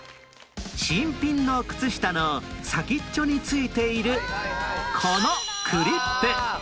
新品の靴下の先っちょに付いているこのクリップ